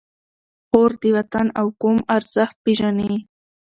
خور د وطن او قوم ارزښت پېژني.